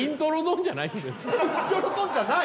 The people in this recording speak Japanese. イントロドンじゃない？